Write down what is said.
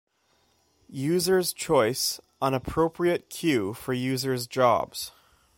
Users choice an appropriate queue for users' jobs.